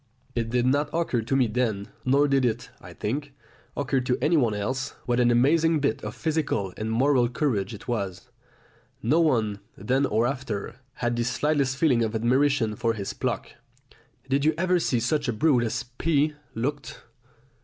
It did not occur to me then, nor did it, I think, occur to anyone else, what an amazing bit of physical and moral courage it was. No one, then or after, had the slightest feeling of admiration for his pluck. "Did you ever see such a brute as P looked?"